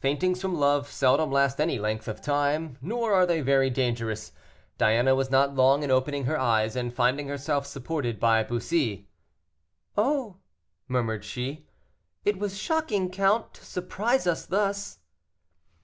Faintings from love seldom last any length of time, nor are they very dangerous. Diana was not long in opening her eyes, and finding herself supported by Bussy. "Oh!" murmured she, "it was shocking, count, to surprise us thus."